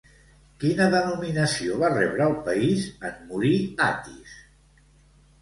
Quina denominació va rebre el país en morir Atis?